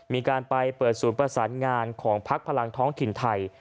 มีการไปเปิดศูนย์ประสานงานของพักพลังท้องถิ่นไทย